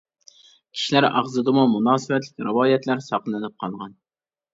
كىشىلەر ئاغزىدىمۇ مۇناسىۋەتلىك رىۋايەتلەر ساقلىنىپ قالغان.